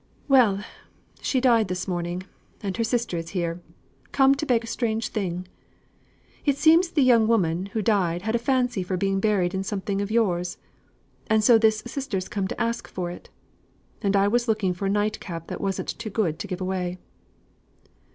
"Well! she died this morning, and her sister is here come to beg a strange thing. It seems, the young woman who died had a fancy for being buried in something of yours, and so the sister's come to ask for it, and I was looking for a night cap that wasn't too good to give away."